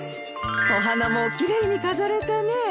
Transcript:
お花も奇麗に飾れたね。